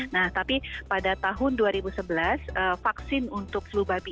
nah tapi pada tahun dua ribu sebelas vaksin untuk flu babi